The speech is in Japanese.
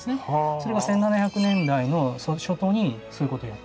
それが１７００年代の初頭にそういうことやってる。